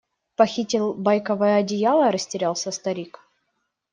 Похитил байковое одеяло? – растерялся старик.